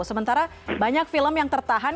sementara banyak film yang tertahan